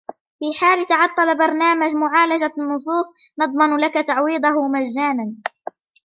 في حال تعطل برنامج معالجة النصوص، نضمن لك تعويضه مجانا.